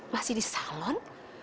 masih di salon